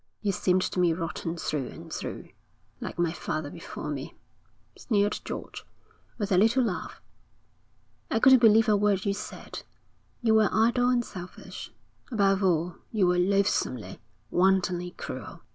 You seemed to me rotten through and through.' 'Like my father before me,' sneered George, with a little laugh. 'I couldn't believe a word you said. You were idle and selfish. Above all you were loathsomely, wantonly cruel.